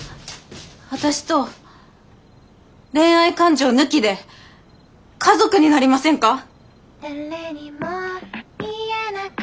私と恋愛感情抜きで家族になりませんか？